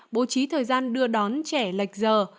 bố trí thời gian đưa đón trẻ lệch giờ